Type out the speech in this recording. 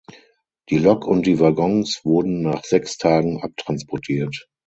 Die Lok und die Waggons wurden nach sechs Tagen abtransportiert.